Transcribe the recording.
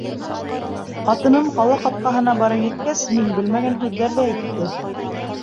Ҡатыным ҡала ҡапҡаһына барып еткәс, мин белмәгән һүҙҙәрҙе әйтте.